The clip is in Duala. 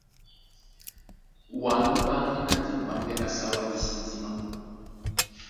Wǎ nú ɓáŋgí ná dimbámbɛ́ lá Sáwá dí sí dímá.